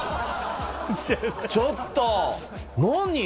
⁉ちょっと？何？